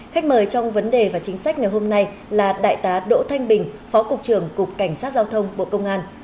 khách mời trong vấn đề và chính sách ngày hôm nay là đại tá đỗ thanh bình phó cục trưởng cục cảnh sát giao thông bộ công an